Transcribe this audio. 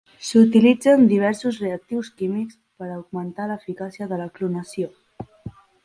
S'utilitzen diversos reactius químics per augmentar l'eficàcia de clonació.